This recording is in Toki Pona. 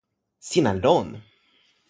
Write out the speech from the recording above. sina lon!